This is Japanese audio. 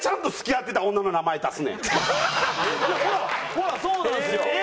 ほらそうなんですよ！